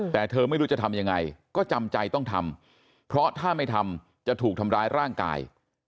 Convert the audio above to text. แต่เธอไม่รู้จะทำยังไงก็จำใจต้องทำเพราะถ้าไม่ทำจะถูกทำร้ายร่างกาย